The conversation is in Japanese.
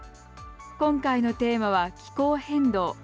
今回のテーマは「気候変動」。